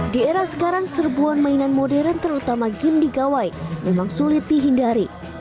di era sekarang serbuan mainan modern terutama game di gawai memang sulit dihindari